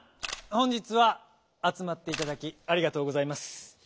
本日はあつまっていただきありがとうございます。